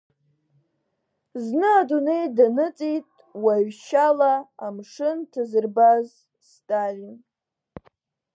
Зны адунеи даныҵит уаҩ шьала амшын ҭазырбаз Сталин.